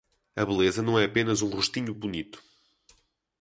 A beleza não é apenas um rostinho bonito.